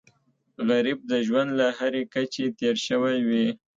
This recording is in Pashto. غریب د ژوند له هرې کچې تېر شوی وي